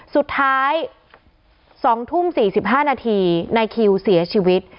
สุดท้าย๒ทุ่ม๔๕นาทีนายคิวเสียชีวิต